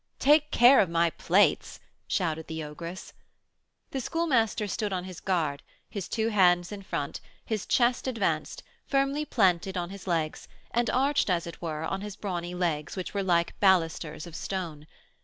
"Take care of my plates!" shouted the ogress. The Schoolmaster stood on his guard, his two hands in front, his chest advanced, firmly planted on his legs, and arched, as it were, on his brawny legs, which were like balusters of stone.